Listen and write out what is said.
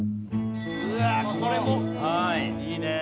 うわあこれも。いいねえ。